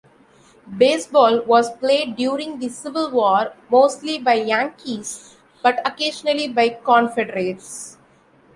Baseball was played during the Civil War mostly by Yankees but occasionally by Confederates.